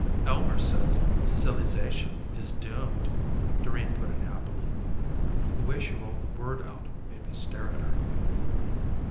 "Elmer says silly zation is doomed!" Doreen put in happily. The way she rolled the word out made me stare at her.